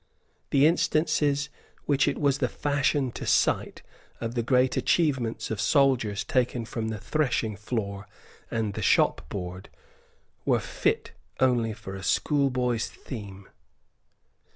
The instances which it was the fashion to cite of the great achievements of soldiers taken from the threshing floor and the shopboard were fit only for a schoolboy's theme.